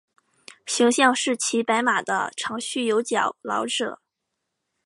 形象是骑白马的长须有角老者。